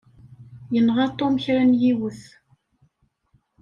Yenɣa Tom kra n yiwet.